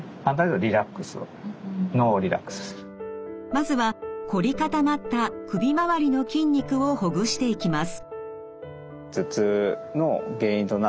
まずはこり固まった首まわりの筋肉をほぐしていきます。